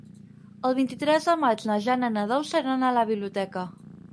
El vint-i-tres de maig na Jana i na Dolça iran a la biblioteca.